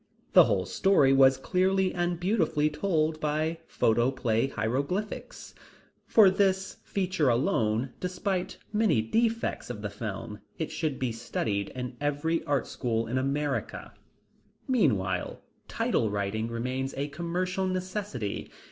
The whole story was clearly and beautifully told by Photoplay Hieroglyphics. For this feature alone, despite many defects of the film, it should be studied in every art school in America. Meanwhile "Title writing" remains a commercial necessity.